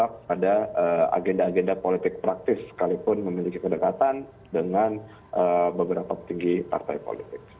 jadi kita tidak ada agenda agenda politik praktis sekalipun memiliki kedekatan dengan beberapa tinggi partai politik